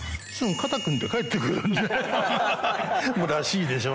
らしいでしょ。